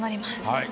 はい。